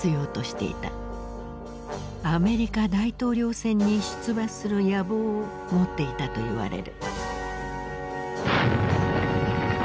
アメリカ大統領選に出馬する野望を持っていたと言われる。